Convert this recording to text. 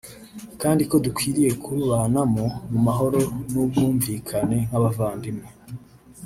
kandi ko dukwiye kurubanamo mu mahoro n’ubwumvikane nk’abavandimwe